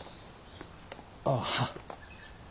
ああ。